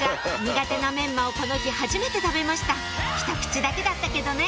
苦手なメンマをこの日はじめて食べましたひと口だけだったけどね！